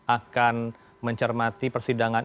akan mencermati persidangan